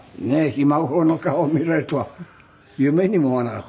ひ孫の顔を見られるとは夢にも思わなかった。